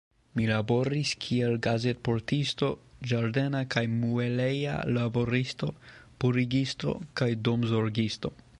Mi laboris kiel gazetportisto, ĝardena kaj mueleja laboristo, purigisto kaj domzorgisto.